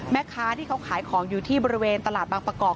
แม่ค้าที่เขาขายของอยู่ที่บริเวณตลาดบางประกอบ